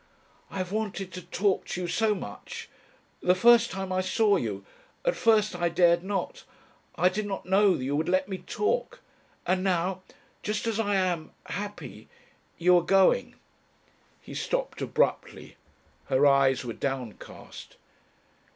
"I have wanted to talk to you so much. The first time I saw you.... At first I dared not.... I did not know you would let me talk.... And now, just as I am happy, you are going." He stopped abruptly. Her eyes were downcast.